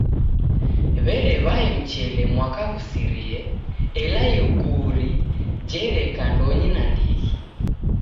W'erew'ae mchele mwaka ghusirie ela iguri jereka ndonyi nandighi.